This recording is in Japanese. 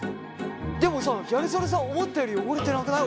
でもさギャル曽根さん思ったより汚れてなくないですか？